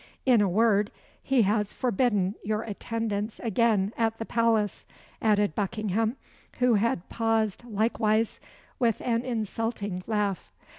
"In a word, he has forbidden your attendance again at the palace," added Buckingham, who had paused likewise, with an insulting laugh.